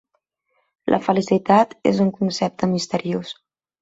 La felicitat és un concepte misteriós.